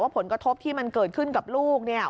ผลกระทบที่มันเกิดขึ้นกับลูกเนี่ย